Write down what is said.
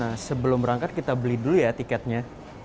nah sebelum berangkat kita beli dulu ya tiketnya